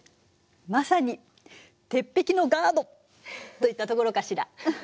まさに鉄壁のガードといったところかしら。